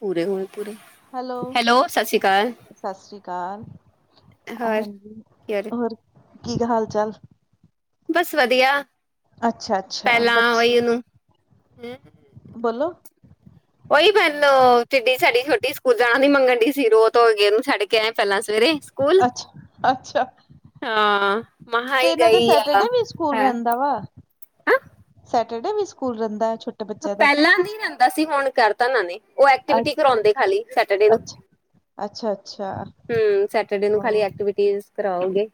ਪੂਰੇ ਹੋਏ ਪੂਰੇ। ਹੈਲੋ, ਸਤਿ ਸ਼੍ਰੀ ਅਕਾਲ ਸਤਿ ਸ੍ਰੀ ਅਕਾਲ। ਹੋਰ ਹਾਂਜੀ, ਕੀ ਹਾਲ ਹੋਰ ਕੀ ਹਾਲ ਚਾਲ? ਬਸ ਵਧੀਆ, ਅੱਛਾ ਅੱਛਾ ਪਹਿਲਾਂ ਬੱਚ ਓਈ ਉਹਨੂੰ ਬੋਲੋ। ਉਹੀ ਪਹਿਲੋ ਟਿੱਡੀ ਸਾਡੀ ਛੋਟੀ ਸਕੂਲ ਜਾਣਾ ਦੀ ਮੰਗਣ ਢਈ ਸੀ। ਰੋ ਧੋ ਕੇ ਇਹਨੂੰ ਛੱਡ ਕੇ ਆਏ ਪਹਿਲਾਂ ਸਵੇਰੇ ਸਕੂਲ ਅੱਛ ਅੱਛਾ। ਹਾਂ ਮਹਾ ਤੇ ਹੀ ਇਹਨਾਂ ਦਾ ਗਈ ਆ ਸੈਚਰਡੇ ਵੀ ਸਕੂਲ ਹੈ ਰਹਿੰਦਾ ਵਾ। ਸੈਚਰਡੇ ਵੀ ਸਕੂਲ ਰਹਿੰਦਾ ਹੈ ਛੁ ਪਹਿਲਾਂ ਨ ਹੁੰਦਾ ਸੀ ਹੁਣ ਕਰਤਾ ਇਹਨਾਂ ਨੇ ਉਹ ਅ ਐਕਟੀਵਿਟੀ ਕਰਾਉਂਦੇ ਖਾਲੀ ਸੈਚਰਡੇ ਨੂੰ। ਅੱਛਾ ਅੱਛਾ ਅੱਛਾ। ਹੂੰ ਸੈਚਰਡੇ ਨੂੰ ਖਾਲੀ ਉਹ ਐਕਟੀਵਿਟੀ ਕਰਾਓਗੇ।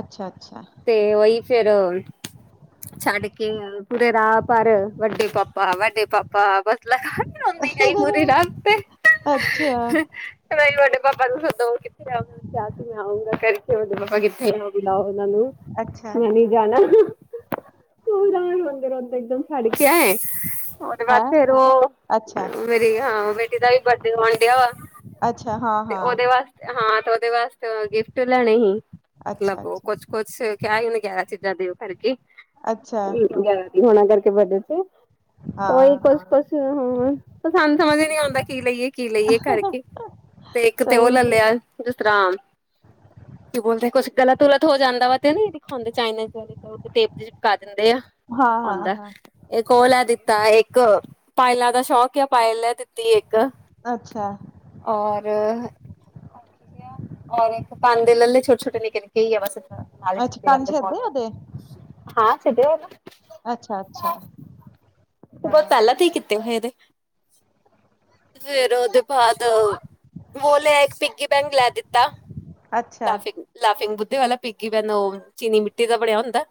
ਅੱਛਾ ਅੱਛਾ। ਤੇ ਉਹੀ ਫੇਰ ਛੱਡ ਕੇ ਪੂਰੇ ਰਾਹ ਪਰ ਵੱਡੇ ਪਾਪਾ ਆ ਵਡੇ ਪਾਪਾ ਬਸ ਲਗਾ ਨੀ [unintelligible] ਪੂਰ ਰਾਸਤੇ। ਅੱਛਾ ਮ ਵੱਡੇ ਪਾਪਾ ਨੂੰ ਸਦੋ ਕਿੱਥੇ ਆਉ ਚਤੀ ਮੈਂ ਆਊਂਗਾ ਕਰਕੇ ਉਹਦੇ ਪਾਪਾ ਕਿੱਥੇ ਹੋਦਾ ਉਹਨਾਂ ਨੂੰ ਅੱਛਾ ਮੈਂ ਨਹੀਂ ਜਾਣਾ ਤ ਰੋਂਦੇ ਰੋਂਦੇ ਇੱਕਦਮ ਛੱਡ ਕੇ ਆਏ। ਉਹਦੇ ਹੈਂ ਬਾਅਦ ਫੇਰ ਉਹ ਅੱਛਾ ਮੇਰੀ ਬੇਟੀ ਦਾ ਵੀ ਬਡੇ ਆਣ ਡਿਆ ਵਾ। ਅੱਛਾ ਹਾਂ ਤੇ ਹਾਂ ਉਹਦੇ ਵਾਸਤੇ ਹਾਂ ਤੇ ਉਹਦੇ ਵਾਸਤੇ ਗਿਫਟ ਲੈਣੇ ਸੀ। ਅੱਛਾ ਲੱਭੋ ਅੱਛਾ ਕੁਛ ਕੁਛ ਕਿਆ ਹੀ ਉਹਨੇ ਗਿਆਰਾਂ ਚੀਜ਼ਾਂ ਦਿਓ ਕਰਕੇ ਅੱਛਾ ਹੋਣਾ ਕਰਕੇ ਵਧੇ ਸੀ। ਹਾਂ ਉਹੀ ਕੁਛ ਕੁਛ ਹਾਂ ਸਾਨੂੰ ਸਮਝ ਹੀ ਨੀ ਆਉਂਦਾ ਕੀ ਲਈਏ। ਕੀ ਲਈਏ ਕਰਕੇ ਤੇ ਇੱਕ ਤੇ ਸਹੀ ਉਹ ਲੈ ਲਿਆ ਜਿਸ ਤਰ੍ਹਾਂ ਕੀ ਬੋਲ ਦੇ ਕੁਛ ਗਲਤੁ ਗੁਲਤ ਹੋ ਜਾਂਦਾ ਵਾ ਤੇ ਨਹੀ ਦਿਖਾਂਦੇ ਚਾਈਨਜ਼ ਵਾਲੇ ਟੇਪ ਜੇਈ ਲਗਾ ਦਿੰਦੇ ਆ ਹਾਂ ਹਾਂ ਆਉਂਦਾ ਹਾਂ ਇਹ ਕੋ ਲੈ ਤਾ ਇੱਕ ਪਾਇਲਾਂ ਦਾ ਸ਼ੌਕ ਆ ਪਾਇਲ ਨੇ ਦਿੱਤੀ ਇੱਕ ਅੱਛਾ ਔਰ ਔਰ ਇੱਕ ਭਾਂਡੇ ਲੇ ਲੋ ਛੋਟੇ ਛੋਟੇ ਨਿਕੇ ਨਿਕੇ ਹੀ ਆ ਬਸ ਨਾਲ ਅੱਛਾ ਕੰਨ ਛੇਦੇ ਉਹਦੇ [unintelligible] ਅੱਛਾ ਅੱਛਾ ਹਾਂ ਬਹੁਤ ਪਹਿਲਾਂ ਤੇ ਹੀ ਕੀਤੇ ਹੋਏ ਇਹਦੇ ਫੇਰ ਉਹਦੇ ਬਾਅਦ ਵੋ ਲ ਇੱਕ ਪਿੱਗੀ ਬੈਂਕ ਲੈ ਦਿੱਤਾ ਅੱਛਾ, ਲਾਫਿੰਗ ਲਾਫਿੰਗ ਬੁੱਧੇ ਵਾਲਾ ਪੀਗੀ ਮੈਨੂੰ ਉਹ ਚੀਨੀ ਮਿੱਟੀ ਦਾ ਬਣਿਆ ਹੁੰਦਾ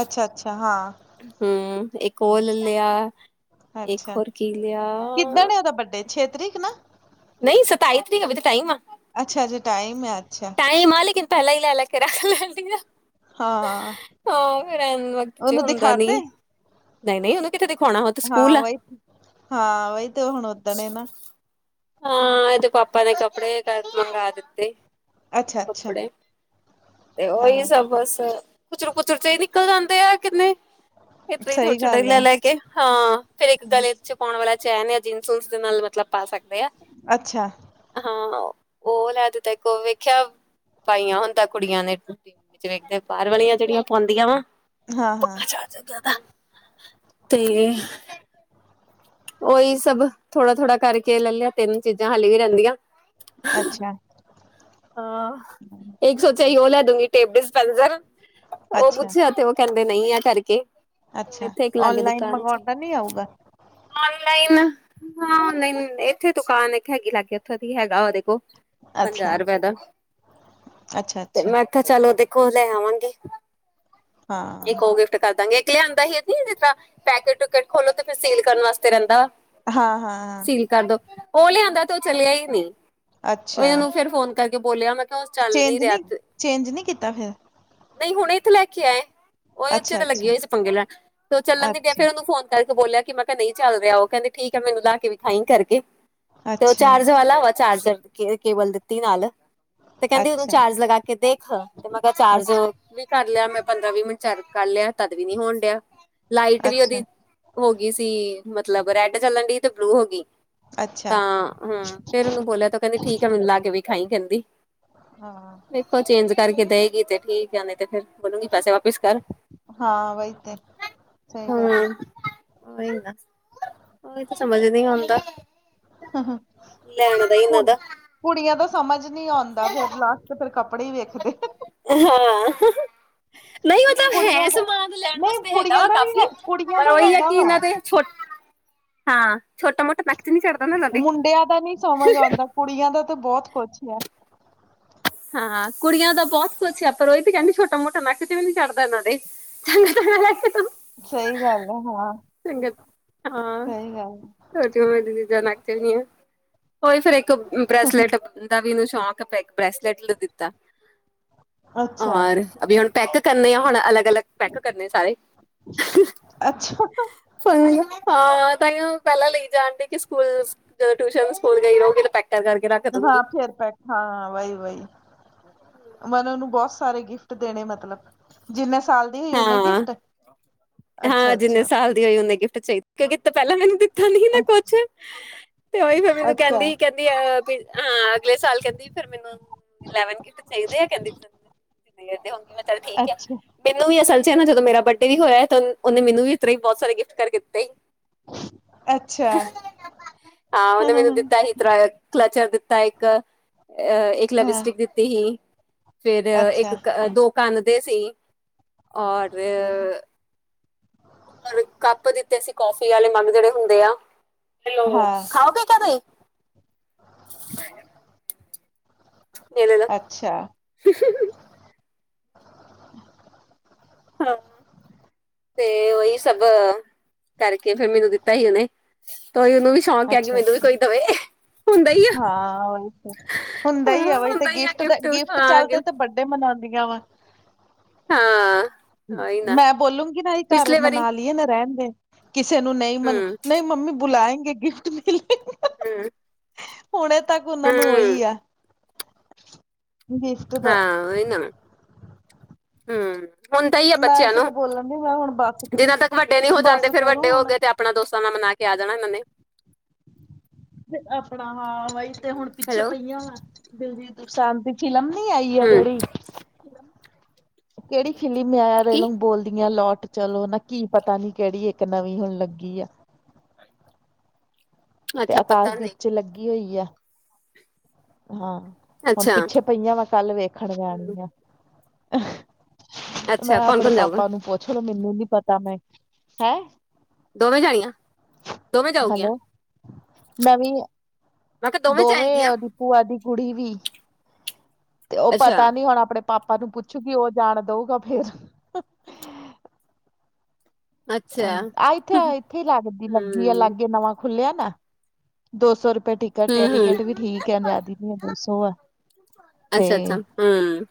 ਅੱਛਾ-ਅੱਛਾ ਹਾਂ, ਹੂੰ ਇੱਕ ਉਹ ਲੈ ਲਿਆ ਇੱਕ ਅੱਛਾ। ਹੋਰ ਕੀ ਲਿਆ ਕਿੱਦਣ ਏ ਉਹਦਾ ਬਰਡੇ ਛੇ ਤਰੀਕ ਨਾ ਨਹੀਂ ਸਤਾਈ ਤਰੀਕ ਹੈਵੇ ਤੇ ਟਾਈਮ ਆ ਅੱਛਾ ਅਜੇ ਟਾਈਮ ਐ ਅੱਛਾ ਨਹੀਂ ਮਾਂ ਲੇਕਨ ਪਹਿਲਾ ਈ ਲੈੈ ਕੇ ਰੱਖ ਲਦੀ ਹਾਂ, ਹਾਂ ਫਿਰ ਐਨ [unintelligible] ਚ ਉਹਨੂੰ ਹੁੰਦਾ ਨੀ ਦਿਖਾਤੇ ਨਹੀਂ ਨਹੀਂ ਉਹ ਹਾਂ ਉਹੀ ਹਾਂ ਉਹੀ ਤੇ ਹੁਣ ਉਦਣੇ ਨਾ ਹਾਂ ਇਹ ਦੇ ਪਾਪਾ ਨੇ ਕਪੜੇ ਕਰ ਮੰਗਾ ਦਿੱਤੇ ਅੱਛਾ-ਅੱਛਾ ਕੱਪੜੇ ਤੇ ਉਹੀ ਹਾਂ, ਸਭ ਬੱਸ ਕੁਚਰ ਕੁਚਰ ਚ ਹੀ ਨਿਕਲ ਜਾਂਦੇ ਆ ਕਿੰਨੇ [unintelligible] ਸਹੀ ਛੋਟੇ ਹੀ ਗੱਲ ਲੈ ਆ। ਲੈ ਹਾਂ ਫੇਰ ਇੱਕ ਗਲੇ ਚ ਪਾਉਣ ਵਾਲਾ ਚੈਨ ਇਨ ਨੂੰ ਜੀਨਸ ਦੇ ਨਾਲ ਮਤਲਬ ਪਾ ਸਕਦਾ ਅੱਛਾ ਹਾਂ ਉਹ ਲੈ ਤੇਰੇ ਕੋ ਵੇਖਿਆ ਪਾਈਆਂ ਹੁੰਦਾ ਕੁੜੀਆਂ ਨੇ ਟੀ ਵਿੱਚ ਵੇਖਦੇ ਬਾਹਰ ਵਾਲੀਆਂ ਜਿਹੜੀਆਂ ਪਾਉਂਦੀਆਂ ਵਾ ਹਾਂ-ਹਾਂ, ਪੱਕਾ [unintelligible] ਉਹੀ ਸਭ ਥੋੜਾ ਥੋੜਾ ਕਰਕੇ ਲੈ ਲਿਆ ਤਿੰਨ ਚੀਜ਼ਾਂ ਹਾਲੀ ਵੀ ਰਹਿੰਦੀਆਂ ਅੱਛਾ ਹਾਂ ਇੱਕ ਸੋਚਿਆ ਹੀ ਉਹ ਲੈ ਦੂੰਗੀ ਟੇਪ ਡਿਸਪੈਂਸਰ ਉਹ ਅੱਛਾ। ਪੁੱਛੇ ਆ ਕਹਿੰਦੇ ਨਹੀਂ ਆ ਕਰਕੇ ਹੁਣ ਅੱਛਾ ਇੱਥੇ ਇੱਕ ਲਾਗੇ ਔਨਲਾਈਨ ਦੁਕਾਨ ਚ ਮੰਗਵਾਉਣਦਾ ਨੀ ਆਊਗਾ ਔਨਲਾਈਨ ਹਾਂ ਨਹੀਂ ਇੱਥੇ ਦੁਕਾਨ ਇੱਕ ਹੈਗੀ ਲੱਗ ਗ ਉੱਥੋਂ ਦੀ ਹੈਗਾ ਉਹਦੇ ਕੋਲ ਅੱਛਾ, ਪੰਜਾਹ ਰੁਪਏ ਦਾ ਤੇ ਅੱਛਾ-ਅੱਛਾ। ਮੈਂ ਚਲੋ ਦੇਖੋ ਲੈ ਆਵਾਂਗੀ ਹਾਂ, ਦੇੋਗੇ ਕਰ ਦਾਂਗੇ ਇਕ ਲਿਆਂਦਾ ਹੀ ਜ ਪੈਕੇਟ ਟੂਕੇਟ ਖੋਲੋ ਤੇ ਫਿਰ ਸੀਲ ਕਰਨ ਵਸਤੇ ਰਹਿੰਦਾ ਹਾਂ ਹਾਂ ਹਾਂ ਕੀ ਕਰਦੋ ਉਹ ਲਿਆਂਦਾ ਤੇ ਉਹ ਚਲਿਆ ਹੀ ਨੀ ਅੱਛਾ ਉਹਨੂੰ ਫੇਿਰ ਫੋਨ ਕਰਕੇ ਬੋਲਿਆ ਮੈਂ ਚੱਲ ਨ ਚੇਂਜ ਨੀ ਰਿਹਾਥ ਚੇਂਜ ਨੀ ਕੀਤਾ ਫਿਰ, ਨਹੀਂ ਹੁਣੇ ਇੱਥੇ ਲੈ ਕੇ ਆਏ ਹੀ ਉਚੇ ਤਾਂ ਅੱਛਾ-ਅੱਛਾ, ਲੱਗੀ ਹੋਈ ਸੀ ਪੰੰਗੇ ਲੈ ਤੇ ਉਹ ਚੱਲਣ ਨ ਪਿਆ ਅੱਛਾ, ਫੇਰ ਉਹਨੂੰ ਫੋਨ ਤ ਬੋਲਿਆ ਕਿ ਮੈਂ ਕਿਹਾ ਨਹੀਂ ਚੱਲ ਰਿਹਾ ਉਹ ਕਹਿੰਦੇ ਠੀਕ ਹੈ ਮੈਨੂੰ ਲਾ ਕੇ ਵੀ ਥਾਈ ਕਰਕੇ ਅੱਛਾ, ਤੇ ਉਹ ਅੱਛਾ। ਚਾਰਜ ਵਾਲਾ ਵਾ ਚਾਰਜਰ ਕੇ ਕੇਬਲ ਦਿੱਤੀ ਨਾਲ ਤੇ ਕਹਿੰਦੀ ਉਹਨੂੰ ਅੱਛਾ ਚਾਰਜ ਲਗਾ ਕੇ ਦੇਖ ਤੇ ਮੈਂਰ ਚਾਰਜ ਅੱਛ ਵੀ ਕਰ ਲਿਆ ਮੈਂ ਪੰਦਰਾਂ ਵੀਹ ਮਿੰਟ ਚਾਰ ਕਰ ਲਿਆ ਤਦ ਵੀ ਨੀ ਹੋਣ ਡਿਆ ਲਾਈਟ ਵੀ ਉਹਦੀ ਅੱਛਾ ਹੋ ਗਈ ਸੀ ਮਤਲਬ ਰੈਡ ਚੱਲਣ ਡ ਤੇ ਬਲੂ ਹੋ ਗਈ ਅੱਛਾ ਤਾਂ ਹਮ ਫੇਰ ਉਹਨੂੰ ਬੋਲਿਆ ਉਹ ਕਹਿੰਦੀ ਠੀਕ ਹੈ ਮੈਨੂੰ ਲਾ ਕੇ ਵੀ ਖਾਈ ਕਹਿੰਦੀ ਹਾਂ ਦੇਖੋ ਚੇਂਜ ਕਰਕੇ ਦੇਵੇਗੀ ਤੇ ਠੀਕ ਆ ਨਹੀਂ ਤੇ ਫਿਰ ਬੋਲੂਗੀ ਪੈਸੇ ਵਾਪਿਸ ਕਰ ਹਾਂ ਵਹੀਤੇ ਸਹੀ ਗੱਲ ਹੈ। ਹਮ ਉਹੀ ਨਾ ਉਹੀ ਤਾਂ ਸਮਝ ਨ ਆਉਂਦਾ। ਲਣ ਕੁ ਦਈਨਦ ਕੁੜੀਆਂ ਤਾਂ ਸਮਝ ਨੀ ਆਉਂਦਾ, ਫੇਰ ਲਾਸਟ ਫਰ ਕੱਪੜੇ ਹੀ ਵੇਖਦੇ, ਹਾਂ ਨਹੀਂ ਉਹ ਤਾਂ ਕੁੜੀਆਂ ਹੈ ਦਾ ਸਮਾਨ ਲੈਣ ਨਹੀਂ ਵਾਸਤੇ ਹੈਗਾ ਕੁੜੀਆਂ ਵਾ ਦਾ ਵੀ ਕਾਫ਼ੀ ਹੈ ਕੁੜੀਆਂ ਪਰ ਦਾ ਉਹੀ ਹੈ ਹੈਗਾ ਕਿ ਇਹਨਾਂ ਵਾ ਤੇ ਛ ਹਾਂ ਛੋਟਾ ਮੋਟਾ ਮੈਂ ਮੁੰਡਿਆਂ ਦਾ ਨਹੀਂ ਸਮਝ ਆਉਂਦਾ ਕੁੜੀਆਂ ਦਾ ਤਾਂ ਬਹੁਤ ਕੁਛ ਹੈ ਹਾਂ ਕੁੜੀਆਂ ਦਾ ਬਹੁਤ ਕੁਛ ਆ ਪਰ ਉਹ ਇਹ ਤੇ ਕਹਿੰਦੀ ਛੋਟਾ ਮੋਟਾ ਨੱਕ ਤੇ ਵੀ ਨੀ ਚੜਦਾ ਇਹਨਾਂ ਦੇ ਚੰ ਸਹੀ ਗੱਲ ਹੈ ਹਾਂ ਹਾਂ ਸਹੀ ਗੱਲ ਹੈ ਚੀਜ਼ਾਂ ਨੱਖਦੀ ਉਹੀ ਫੇਿਰ ਇੱਕ ਬ੍ਰੈਸਲੇਟ ਦਾ ਵੀ ਇਹਨੂੰ ਸ਼ੌਕ ਬ੍ਰੈਸਲੇਟ ਨੂੰ ਦਿੱਤਾ ਹੈ। ਅੱਛਾ ਔਰ ਅ ਹੁਣ ਪੈਕ ਕਰਨੇ ਆ ਹੁਣ ਅਲੱਗ ਅਲੱਗ ਪੈਕ ਕਰਨੇ ਆ ਸਾਰੇ ਅੱਛਾ ਹਾਂ ਤਾਂ ਪਹਿਲਾਂ ਲਈ ਜਾਣ ਡ ਕਿ ਸਕੂਲ ਜਦੋਂ ਟਿਊਸ਼ਨ ਸਕੂਲ ਗਈ ਰਹੋਗੀੈ ਕਰਕੇ ਰ ਹਾਂ ਫੇਰ ਪੈਕ ਹਾਂ ਵਹੀ ਵਹੀ ਮਨ ਉਹਨੂੰ ਬਹੁਤ ਸਾਰੇ ਗਿਫਟ ਦੇਣੇ ਮਤਲਬ ਜਿੰਨੇ ਸਾਲ ਦੀ ਹੋਈ ਓਨੇ ਹਾਂ। ਗਿਫਟ ਅੱਛਾ ਹਾਂ ਜਿੰਨੇ ਅੱਛਾ ਸਾਲ ਹੋਈ ਉਹਨੇ ਗਿਟ ਚਾਹੀ ਕਿਉਂਕਿ ਪਹਿਲਾਂ ਮੈਨੂੰ ਨਾ ਕੁਛ ਤੇ ਉਹੀ ਮ ਮੈਨੂੰ ਅੱਛਾ ਕਹਿੰਦੀ ਕ ਹਾਂ ਅਗਲੇ ਸਾਲ ਕਹਿੰਦੀ ਫਿਰ ਮੈਨੂੰ ਇਵ ਗਿਟ ਚਾਹੀਦੇ ਆ ਕਹਿੰਦੇਦੇ ਹੋਗੇ ਮੈਂ ਚੱਲ ਠੀਕ ਆ ਅੱਛਾ ਮੈਨੂੰ ਵੀ ਅਸਲ ਚ ਹੈ ਨਾ ਜਦ ਮੇਰਾ ਬਡੇ ਵੀ ਹੋਇਆ ਤਾਂ ਉਹਨੇ ਮੈਨੂੰ ਵੀ ਇਸ ਤਰ ਹੀ ਬਹੁਤ ਸਾਰੇ ਗਿਫਟ ਕਰ ਦਿੱਤਾ ਸੀ ਅੱਛਾ ਹਾਂ ਉਹਹਨੇ ਮੈਨੂੰ ਦਿੱਤਾ ਸੀ ਤ ਕਲਚਰ ਦਿੱਤਾ ਇੱਕ ਅ ਇੱਕ ਹਾਂ, ਲਿਬਸਟਿਕ ਦਿੱਤੀ ਸੀ ਫਿਰ ਅੱਛਾ ਇੱਕ ਦੋ ਕੰਦੇ ਸੀ ਔਰ ਹੋਰ ਕੱਪ ਦਿੱਤੇ ਸੀ ਕਫੀ ਆੇ ਮਮ ਜਿਹੜੇ ਹੁੰਦੇ ਆਲ ਹਾਂ ਖਾਓਗੇ ਕ ਤੁ ਨ ਅੱਛਾ ਹਾਂ ਤੇ ਉਹੀ ਸਭ ਕਰਕੇ ਫੇਰ ਮੈਨੂੰ ਦਿੱਤਾ ਸੀ ਉਹਨੇ ਤਾਂਈ ਉਹਨੂੰ ਵੀ ਸ਼ੌਂਕ ਹੈ ਕਿ ਅੱਛਾ ਮੈਨੂੰ ਵੀ ਅੱਛਾ ਕੋਈ ਦਵੇ ਹੀ ਆ ਹਾਂ ਉਹੀ ਤੇ ਹੁੰਦਾ ਹੀ ਹਾਂ ਆਹੀ ਤੇ ਹੁੰਦਾ ਹੀ ਆ ਗਿਫਟ ਦਾ ਗਿਫਟ ਹਾਂ ਚੱਲਦੇ ਗਿਫਟ ਤੇ ਵੱਡੇ ਮਨਾਉਂਦੀਆਂ ਵਾ ਹਾਂ ਉਹੀ ਨਾ ਮੈਂ ਬੋਲੂਗੀ ਨਾ ਘਰ ਪਿਛਲੇ ਵਾਰੀ ਮਨਾਂ ਲਈਏ ਨਾ ਰਹਿਣ ਦੇ ਕਿਸੇ ਨੂੰ ਨਹੀਂ ਮਨ ਹੂੰ ਨਹੀਂ ਮੰਮੀ ਬੁਲਾਏਂ ਗਿਫਟ ਮਿਲੇ। ਹਮ ਹੁਣੇ ਤੱਕ ਉਹਨਾਂ ਨੂੰ ਉਹੀ ਆ। ਗਿਫਟ ਦਾ ਹਾਂ ਉਹ ਨਾ ਹਮ ਹੁਣਦਾ ਹੀ ਆ ਮੈਂ ਬੱਚਿਆਂ ਸਗੋਂ ਨੂੰ ਬੋਲਣ ਦੀ ਮੈਂ ਹੁਣ ਬਸ ਜਿਨਾਂ ਤੱਕ ਵੱਡੇ ਨਹੀਂ ਹੋ ਬਸ ਜਾਂਦੇ ਫੇਰ ਕਰੋ ਵੱਡੇ ਹੋ ਹੁਣ ਗਏ ਤੇ। ਆਪਣਾ ਦੋਸਤਾਂ ਨਾਲ ਮਨਾ ਕੇ ਆ ਜਾਣਾ ਇਹਨਾਂ ਨੇ ਤੇ ਆਪਣਾ ਹਾਂ ਬਾਈ ਤੇ ਹੁਣ ਪਿੱਛੇ ਹੈਲੋ ਪਈਆਂ ਵੈਂ ਦਿਲਜੀਤ ਬਸਾਂਤੀ ਫਿਲਮ ਨੀ ਆਈ ਆ ਹੂੰ ਜਿਹੜੀ ਕਿਹੜੀ ਖਿਲੀ ਮੈਂ ਆਇਆ ਕੀ ਰਲੋਂ ਬੋਲਦੀਆਂ ਲੌਟ ਚਲੋ ਨਾ ਕੀ ਪਤਾ ਨੀ ਕਿਹੜੀ ਇੱਕ ਨਵੀਂ ਹੁਣ ਲੱਗੀ ਆ। ਤੇ ਅੱਛਾ ਪਤਾ ਅਕਾਸ਼ਦੀਪ ਨਹੀਂ ਚ ਲੱਗੀ ਹੋਈ ਹੈ। ਹਾਂ ਹੁਣ ਅੱਛਾ ਪਿੱਛੇ ਪਈਆਂ ਵੈਂ ਕੱਲ ਵੇਖਣ ਹੂੰ, ਜਾਣੀ ਆ। ਮੈਂ ਅੱਛਾ ਕੌਣ ਆਪਣੇ ਕੌਣ ਜਾਊਗਾ ਪਾਪਾ ਨੂੰ ਪੁੱਛ ਲ ਮੈਨੂੰ ਨੀ ਪਤਾ ਮੈਂ ਹੈਂ। ਦੋਵੇਂ ਜਾਣੀਆਂ ਦੋਵੇਂ ਜਾਊਗੀਆਂ? ਹੈਲੋ ਨਵੀਂ ਮੈਂ ਕਿਹਾ ਦੋਵੇਂ ਜਾਏਗੀਆਂ ਉਹ ਦੀ ਭੂਆ ਦੀ ਕੁੜੀ ਵੀ। ਤੇ ਉਹ ਅੱਛਾ ਪਤਾ ਨੀ ਹੁਣ ਆਪਣੇ ਪਾਪਾ ਨੂੰ ਪੁੱਛੂਗੀ ਉਹ ਜਾਣ ਦਊਗਾ ਫੇਰ। ਅੱਛਾ ਆ ਇੱਥੇ ਇੱਥੇ ਹੀ ਲੱਗਦੀ ਲੱਗੀ ਆ ਹੂੰ ਲਾਗੇ ਨਵਾਂ। ਖੁੱਲਿਆ ਨਾ ਦੋ ਸੌ ਰੁਪਏ ਟਿਕਟ। ਘੱਟ ਹੂੰ ਆ ਹੂੰ ਟਿਕਟ ਵੀ ਠੀਕ ਆ ਆਜ਼ਾਦੀ ਨ ਆ ਦੋ ਸੋ ਆ ਤੇ। ਅੱਛਾ ਅੱਛਾ ਹੂੰ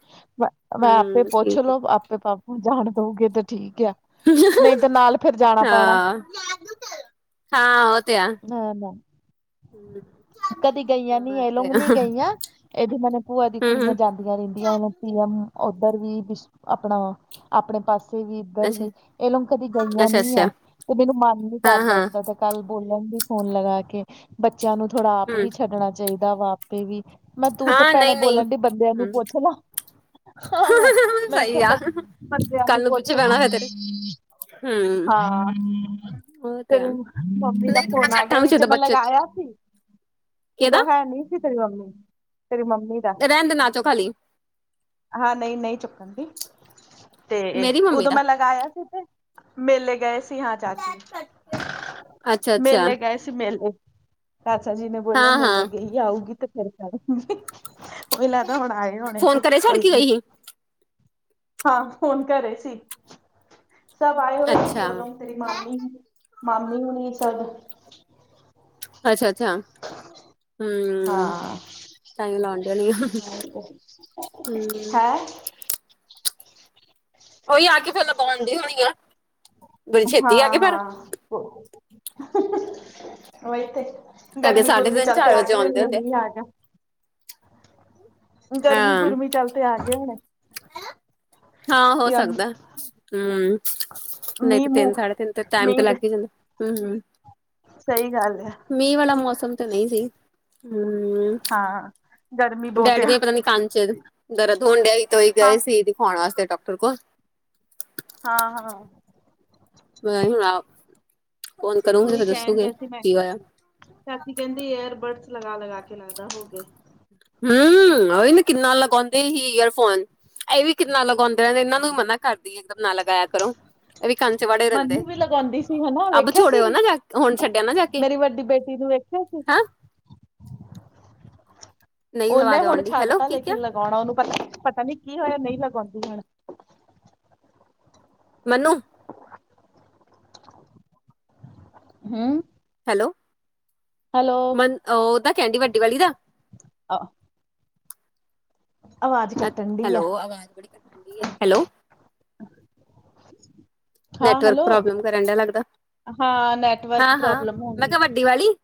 ਮੈਂ ਆਪੇ ਹੂੰ ਪੁੱਛ ਠੀਕ ਲੋੋ ਹੈ ਆਪੇ ਬਾਪੂ ਜਾਣ ਦਊਗੇ ਤੇ ਠੀਕ ਆ। ਹਾਂ ਨਹੀਂ [unintelligible] ਤੇ ਨਾਲ ਫਿਰ ਜਾਣਾ ਪੈਣਾ ਹਾਂ ਉਹ ਤੇ ਆ ਹੈ ਨਾ। ਹੂੰ ਕਦੀ ਗਈਆਂ ਨੀ ਹਾਂ ਇਹ ਤੇ ਲੋਗ ਆ। ਨੀ ਗਈਆਂ ਇਹ ਵੀ ਮਨ ਭੂਆ ਦੀ ਹੂੰ ਕੁੜੀਆਂ ਹੂੰ ਜਾਂਦੀ ਰਹਿੰਦੀਆਂ ਉਹ ਪੀ ਐਮ ਉਧਰ ਵੀ ਆਪਣਾ ਆਪਣੇ ਪਾਸੇ ਇਥੇ ਵੀ ਇੱਧਰ ਅੱਛਾ ਵੀ ਇਹ ਲੋਕ ਕਦੀ ਗਈਆਂ ਅੱਛਾ ਨੀ ਅੱਛਾ ਆ ਤੇ ਮੈਨੂੰ ਮਨ ਨੀ ਹਾਂ ਕਰਦਾ ਹਾਂ ਜਿੱਦਾਂ। ਤੇ ਕੱਲ ਬੋਲਣ ਦੀ ਫੋਨ ਲੱਗਾ ਕੇ ਬੱਚਿਆਂ ਨੂੰ ਥੋੜਾ ਆਪ ਹੂੰ ਵੀ ਛੱਡਣਾ। ਚਾਹੀਦਾ ਵਾ ਆਪੇ ਵੀ ਮੈਂ ਤੂੰ ਤੇ ਹਾਂ ਭੈਣ ਨਹੀਂ ਨਹੀਂ ਬੋਲਣ ਡਈ ਬੰਦਿਆਂ ਨੂੰ ਹੂੰ ਪੁੱਛ ਲਾ। ਹਾਂ ਮੈਂ ਕਿਹਾ ਸਹੀ ਆ ਬੰਦੇ ਬੰਦਿਆਂ ਨੂੰ ਕੱਲ ਪੁੱਛ ਪਿੱਛੇ ਲਓ। ਪੈਣਾ ਫੇਰ ਤੇਰੇ ਹੂੰ ਹਾਂ ਉਹ ਤੇ ਤੇਰੇ ਆ ਮੰਮੀ ਦਾ ਨਹੀਂ ਥੋੜਾ ਫੋਨ ਆ ਛੱਟਾਂ ਗਿਆ ਵਿੱਚ ਤਾਂ ਮੈਂ ਬੱਚੇ ਲਗਾਇਆ ਸੀ। ਕਿਹਦਾ ਉਦੋਂ ਹੈ ਨੀ ਸੀ ਤੇਰੀ ਮੰਮੀ ਤੇਰੀ ਮੰਮੀ ਦਾ। ਰਹਿਣ ਦੇ ਨਾ ਚੁੱਕ ਹਾਲੀ। ਹਾਂ, ਨਹੀਂ ਨਹੀਂ ਚੁੱਕਣ ਦੀ ਤੇ ਮੇਰੀ ਮੰਮੀ ਉਦੋਂ ਦਾ ਮੈਂ ਲਗਾਇਆ ਸੀ ਤੇ। ਮੇਲੇ ਗਏ ਸੀ ਹਾਂ ਚਾਚੀ ਅੱਛਾ ਅੱਛਾ ਮੇਲੇ ਗਏ ਸੀ ਮੇਲੇ। ਚਾਚਾ ਜੀ ਨੇ ਬੋਲਿਆ ਹਾਂ ਮੇਲੇ ਹਾਂ ਗਈ ਆਊਗੀ ਤੇ ਫਿਰ ਕਰੂਂਗੀ। ਉਹੀ ਲਗੱਦਾ ਹੁਣ ਆਏ ਹੋਣੇ ਉਥੇ। ਫੋਨ ਕਰੇ ਛੱਡ ਕੇ ਗਈ ਸੀ ਹਾਂ ਫੋਨ ਕਰ ਰਹੇ ਸੀ ਸੱਭ ਆਏ ਹੋਏ ਸੀ ਅੱਛਾ ਓਦੋਂ। ਤੇਰੀ ਮਾਮੀ ਮਾਮੀ ਹੋਣੀ ਸਗੋਂ। ਅੱਛਾ ਅੱਛਾ ਹਮ ਹਾਂ ਟਾਇਮ ਲਾਉਣ ਡਈ ਆ ਹਮ। ਹੈ ਉਹੀ ਆ ਕੇ ਫਿਰ ਲਗਾਉਣ ਦੀ ਹੋਣੀ ਆ ਬੜੀ ਛੇਤੀ ਹਾਂ ਆ ਗਏ ਫਿਰ। ਹਾਂ ਤੇ [unintelligible] ਅੱਗੇ ਗਰਮੀਂ ਸਾਢੇ ਗੁਰਮੀਂ ਤਿੰਨ ਚੱਲ ਤੇ ਚਾਰ ਆ ਵਜੇ ਗਈ ਹੋਣੀ ਆਉਂਦੇ ਆ ਹੁੰਦੇ ਮੀਂਹ ਆ ਗਿਆ। ਗਰਮੀਂ ਹਾਂ ਗੁਰਮੀਂ ਚੱਲ ਤੇ ਆ ਗਏ ਹੁਣੇ ਹਾਂ ਹੋ ਸਕਦਾ ਹਮ ਨਹੀਂ ਮੀਂਹ ਤਾਂ ਤਿੰਨ ਮੂੰਹ ਸਾਢੇ ਤਿੰਨ ਤੇ ਟਾਈਮ ਤੇ ਲੱਗਦਾ। ਹਮ ਹਮ। ਸਹੀ ਗੱਲ ਆ ਮੀਂਹ ਵਾਲਾ ਮੌਸਮ ਤਾਂ ਨਹੀਂ ਸੀ ਹਮ। ਹਾਂ ਗਰਮੀ ਬਹੁਤ ਡੈੱਡੀ ਆ ਦੇ ਪਤਾ ਨੀ ਕੰਨ ਚ ਦਰਦ ਹੋਣ ਡਿਆ ਹੀ ਤਾਂਈ ਹਾਂ ਗਏ ਸੀ ਦਿਖਾਉਣ ਵਾਸਤੇ ਡਾਕਟਰ ਕੋਲ। ਹਾਂ-ਹਾਂ। ਪਤਾ ਨਹੀਂ, ਹੁਣ ਆ, ਫੋਨ ਕਰੂੰਗੀ, ਉਹੀ ਫਿਰ ਕਹਿਣ ਦੱਸੂਗੇ ਡੇ ਸੀ ਮੈਂ ਕੀ ਹੋਇਆ। ਚਾਚੀ ਕਹਿੰਦੀ, ਏਅਰ ਬੱਡਸ ਲਗਾ-ਲਗਾਕੇ ਲਗਦਾ ਹੋਗਿਆ। ਹੂੰ, ਓਹੀ ਨਾ ਕਿੰਨਾ ਲਗਾਉਂਦੀ ਹੀ, ਈਅਰ ਫੋਨ। ਇਹ ਵੀ ਕਿੰਨਾ ਲਗਾਉਂਦੇ ਰਹੇ ਇਹਨਾਂ ਨੂੰ ਵੀ ਮਨਾ ਕਰਦੀ ਇਤਰ ਨਾ ਲਗਾਇਆ ਕਰੋ। ਇਹ ਵੀ ਕੰਨ'ਚੱ ਵਾੜੇ ਰਹਿੰਦੇ, ਮੈਨੂੰ ਵੀ ਲਗਾਉਂਦੀ ਸੀ ਹਨਾ ਅੱਬ ਵੇਖਿਆ ਛੋੜੇ ਸੀ ਹੋਨਾ ਜਾ, ਹੁਣ ਛੱਡਿਆ ਨਾ ਜਾਕੇ। ਮੇਰੀ ਵੱਡੀ ਬੇਟੀ ਨੂੰ ਵੇਖਿਆ ਸੀ ਹਾਂ ਉਹਨੇ ਆਵਾਜ਼ ਹੁਣ ਆਉਣ ਡਈ ਹੈਲੋ ਛੱਡਤਾ ਕੀ ਕਿਹਾ ਲੇਕਿਨ ਲਗਾਉਣਾ, ਉਹਨੂੰ ਪਤਾ-ਪਤਾ ਨੀ ਕੀ ਹੋਇਆ, ਨਹੀਂ ਲਗਾਉਂਦੀ ਹੁਣ। ਮੰਨੂੰ ਹੂੰ ਹੈਲੋ, ਹੈਲੋ ਮੰਨ ਉਹਦਾ ਕਹਿਂਦੀ ਵੱਡੀ ਵਾਲੀ ਦਾ। ਆਹ [unintelligible] ਕੱਟਣ ਡੀ ਆ ਹੈਲੋ, ਅਵਾਜ਼ ਬੜੀ ਘੱਟ ਆਂਦੀ ਏ, ਹੈਲੋ। ਹਮ [inaudible] ਨੈੱਟਵਰਕ ਪ੍ਰੋਬਲਮ ਕਰਨ ਡਿਆ ਲੱਗਦਾ, ਹਾਂ ਨੈਟਵਰਕ ਹਾਂ-ਹਾਂ, ਪ੍ਰੋਬਲਮ ਮੈਂ ਹੁੰਦੀ ਕਿਹਾ ਵੱਡੀ ਵਾਲੀ।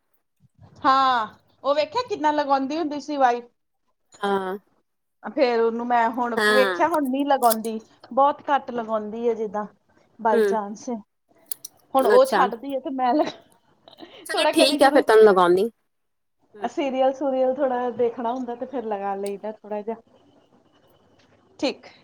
ਹਾਂ, ਉਹ ਵੇਖਿਆ ਕਿੰਨਾ ਲਗਾਉਂਦੀ ਹੁੰਦੀ ਸੀ, ਵਾਈ ਹਾਂ। ਫਿਰ ਉਹਨੂੰ ਮੈਂ, ਹੁਣ, ਵੇਖਿਆ ਹੁਣ ਨਹੀਂ ਲਗਾਉਂਦੀ, ਬਹੁੱਤ ਘੱਟ ਲਗਾਉਂਦੀ ਹੈ, ਜਿੱਦਾਂ। ਹੂੰ ਬਾਈਚਾਂਸ ਏ, ਹੁਣ ਉਹ ਅੱਛਾ ਛੱਡਦੀ ਆ ਤੇ, ਮੈਂ ਲ ਚਲੋ ਠੀਕ ਆ, ਫਿਰ ਤਹਾਂਨੁਂ ਲਗਾਉਂਨੀ। ਸੀਰੀਅਲ, ਸੁਰੀਅਲ ਥੋੜਾ ਦੇਖਣਾ ਹੁੰਦਾ, ਤੇ ਫਿਰ ਲਗਾ ਲਈਦਾ ਥੋੜਾ ਜਿਹਾ। ਠੀਕ ਏ।